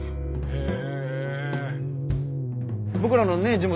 へえ。